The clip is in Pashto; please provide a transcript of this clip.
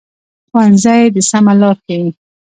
ښوونځی د سمه لار ښيي